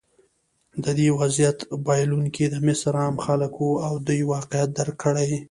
د دې وضعیت بایلونکي د مصر عام خلک وو او دوی واقعیت درک کړی.